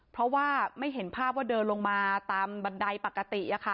เพราะว่าไม่เห็นภาพว่าเดินลงมาตามบันไดปกติ